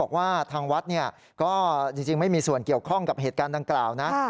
แล้วบางครั้งตรงโป๊ะก็มีประชาชนมาทำบุญปล่อยปล่อยปล่อยปล่าตรงท่าเรือตรงโป๊ะดังกล่าวอยู่บ่อยครั้งนะครับ